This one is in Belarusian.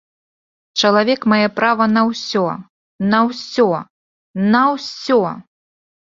Чалавек мае права на усё, на усё, на ўсё!